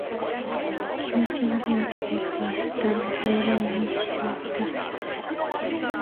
キムチ鍋食べると明日の排便に支障をきたすよ